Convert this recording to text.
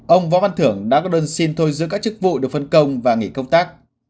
ông võ văn thưởng đã có đơn xin thôi giữ các chức vụ được phân công và nghỉ công tác